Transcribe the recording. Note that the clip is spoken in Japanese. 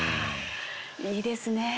いいですね。